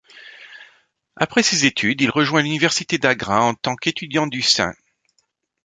Après ses études, il rejoint l'Université d'Agra en tant qu'étudiant du St.